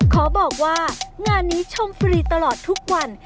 ขอบอกว่างานนี้ชมฟรีตลอดทุกวัน